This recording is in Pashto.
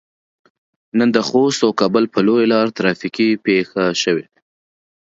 نن د خوست او کابل په لويه لار ترافيکي پېښه شوي.